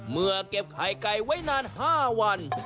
เมื่อเก็บไข่ไก่ไว้นาน๕วัน